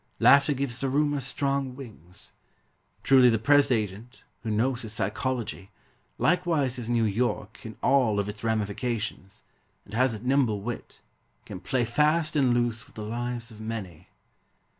Laughter gives the rumor strong wings. Truly the press agent, Who knows his psychology, Likewise his New York In all of its ramifications, And has a nimble wit, Can play fast and loose With the lives of many.